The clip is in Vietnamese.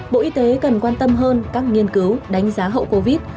bộ y tế cần quan tâm hơn các nghiên cứu đánh giá hậu covid